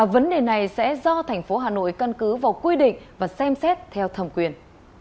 vấn đề này sẽ do thành phố hà nội cân cứ vào quy định và xem xét theo thẩm quyền